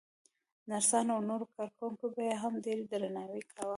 نرسانو او نورو کارکوونکو به يې هم ډېر درناوی کاوه.